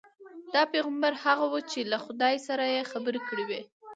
دا پیغمبر هغه وو چې له خدای سره یې خبرې کړې وې.